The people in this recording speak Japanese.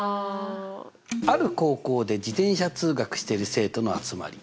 「ある高校で自転車通学している生徒の集まり」。